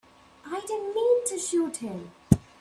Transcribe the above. I didn't mean to shoot him.